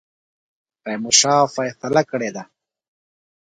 تیمورشاه فیصله کړې ده.